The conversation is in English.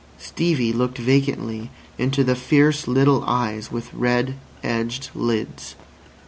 Stevie looked vacantly into the fierce little eyes with red edged lids.